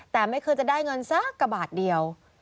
แต่ไม่เคยจะได้เงินสักกระบาทเดียว